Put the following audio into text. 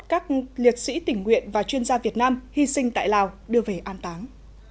các liệt sĩ tỉnh nguyện và chuyên gia việt nam hy sinh tại lào đưa về an táng